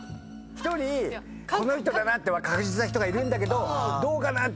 １人この人だなって確実な人がいるんだけどどうかなって人もいるんで。